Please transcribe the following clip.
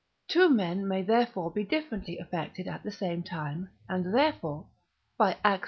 Two men may therefore be differently affected at the same time, and therefore (by Ax.